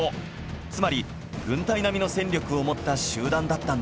つまり軍隊並みの戦力を持った集団だったんだ